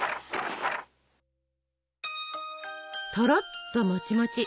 とろっともちもち！